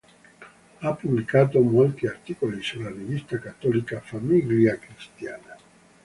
Ha pubblicato molti articoli sulla rivista cattolica "Famiglia Cristiana".